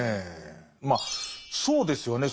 まあそうですよね。